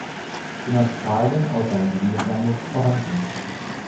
In Australien, außer im Süden des Landes, vorhanden.